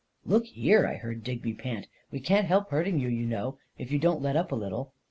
" Look here," I heard Digby pant, " we can't help hurting you, you know, if you don't let up a little!"